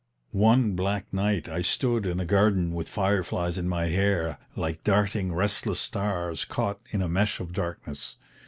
One black night I stood in a garden with fireflies in my hair like darting restless stars caught in a mesh of darkness.